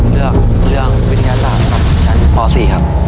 เรื่องวิทยาศาสตร์ครับชั้นป๔ครับ